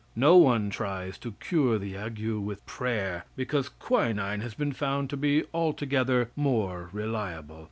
No one tries to cure the ague with prayer because quinine has been found to be altogether more reliable.